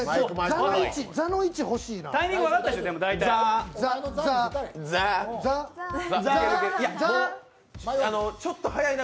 「ザ」の位置、ほしいな。